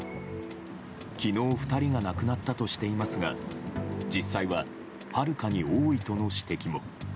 昨日、２人が亡くなったとしてますが実際ははるかに多いとの指摘も。